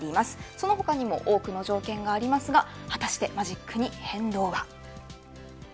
その他にも多くの条件がありますが果たしてマジックに変動は。